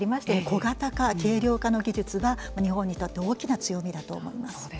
小型化軽量化の技術が日本にとって大きな強みだと思います。